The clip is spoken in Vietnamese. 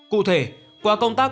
cụ thể qua công tác